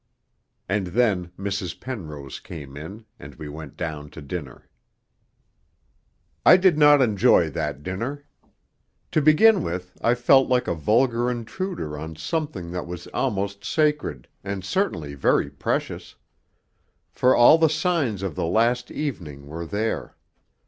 And then Mrs. Penrose came in, and we went down to dinner. II I did not enjoy that dinner. To begin with, I felt like a vulgar intruder on something that was almost sacred, and certainly very precious. For all the signs of the 'last evening' were there.